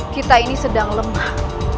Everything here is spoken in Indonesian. kita ini sedang lemah